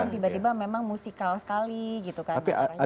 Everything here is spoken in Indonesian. tiba tiba memang musikal sekali gitu kan